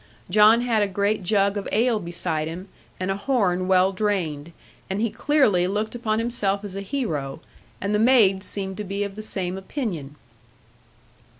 John had a great jug of ale beside him, and a horn well drained; and he clearly looked upon himself as a hero, and the maids seemed to be of the same opinion.